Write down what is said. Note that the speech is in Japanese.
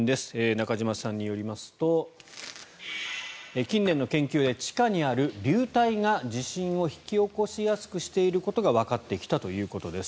中島さんによりますと近年の研究で地下にある流体が地震を引き起こしやすくしていることがわかってきたということです。